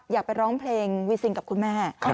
อยากไปร้องเพลงวีซิงกับคุณแม่